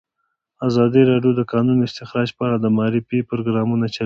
ازادي راډیو د د کانونو استخراج په اړه د معارفې پروګرامونه چلولي.